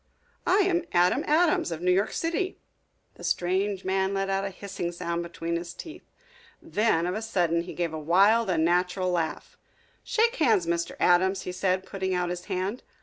"I am Adam Adams, of New York City." The strange man let out a hissing sound between his teeth. Then of a sudden he gave a wild, unnatural laugh. "Shake hands, Mr. Adams," he said, putting out his hand.